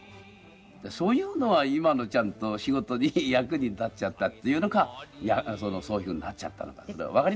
そういうのは今のちゃんと仕事に役に立っちゃったっていうのかそういうふうになっちゃったのかわかりませんけど。